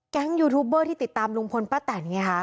ยูทูบเบอร์ที่ติดตามลุงพลป้าแตนไงคะ